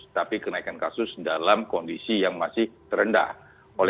tapi kenaikan kasus dalam kondisi yang masih terendah